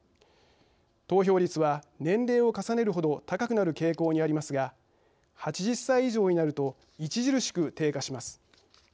投票率は年齢を重ねるほど高くなる傾向にありますが８０歳以上になると著しく低下します。